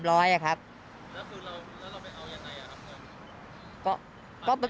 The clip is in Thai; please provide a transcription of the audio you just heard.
แล้วเราไปเอายังไงครับ